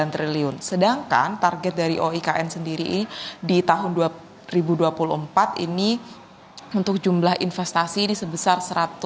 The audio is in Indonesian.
sembilan triliun sedangkan target dari oikn sendiri ini di tahun dua ribu dua puluh empat ini untuk jumlah investasi ini sebesar